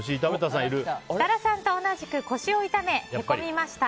設楽さんと同じく腰を痛め寝込みました。